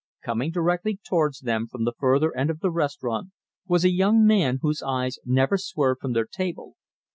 Coming directly towards them from the further end of the restaurant was a young man, whose eyes never swerved from their table.